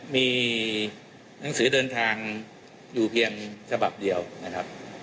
มีหนังสือเดินทางอยู่เพียงฉบับเดียวนะครับ